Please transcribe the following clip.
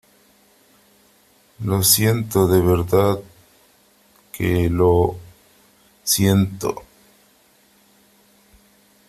lo siento , de verdad que lo siento .